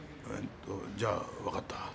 じゃあわかった。